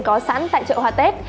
có sẵn tại trậu hoa tết